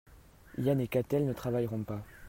Yann et Katell ne travailleront pas.